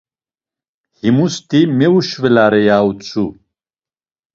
Himusti mevuşvelare, ya utzu.